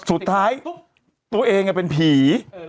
สุดท้ายตัวเองเป็นผี